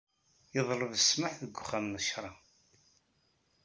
Yeḍleb ssmaḥ deg uxxam n ccreɛ.